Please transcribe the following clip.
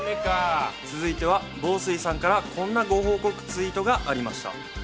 続いては紡錘さんからこんなご報告ツイートがありました。